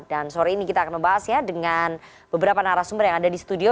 dan sore ini kita akan membahas ya dengan beberapa narasumber yang ada di studio